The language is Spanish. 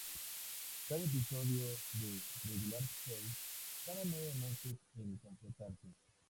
Cada episodio de "Regular Show" tarda nueve meses en completarse.